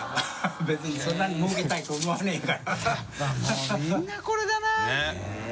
みんなこれだな。ねぇ。